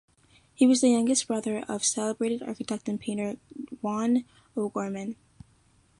He was the younger brother of celebrated architect and painter Juan O'Gorman.